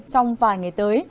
trong vài ngày tới